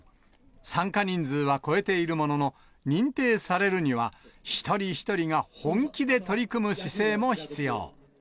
参加人数は超えているものの、認定されるには、一人一人が本気で取り組む姿勢も必要。